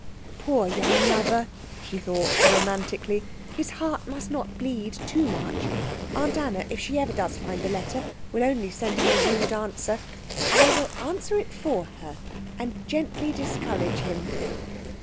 "Poor young lover," she thought romantically, "his heart must not bleed too much. Aunt Anna, if she ever does find the letter, will only send him a rude answer. I will answer it for her, and gently discourage him."